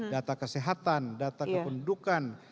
data kesehatan data kependudukan